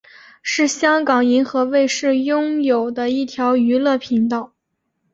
是香港银河卫视拥有的一条娱乐频道。